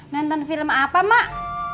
nonton film apa mak